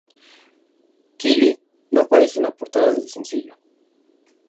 Kylie no aparece en la portada del sencillo.